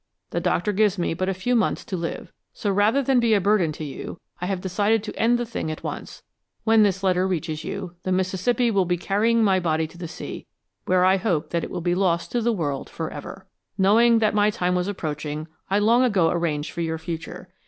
The doctor gives me but a few months to live, so rather than be a burden to you I have decided to end the thing at once. When this letter reaches you, the Mississippi will be carrying my body to the sea, where I hope that it will be lost to the world forever. Knowing that my time was approaching, I long ago arranged for your future.